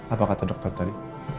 apa kata dokter tadi